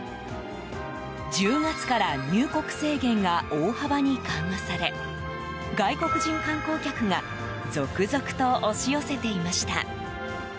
１０月から入国制限が大幅に緩和され外国人観光客が続々と押し寄せていました。